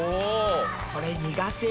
これ苦手。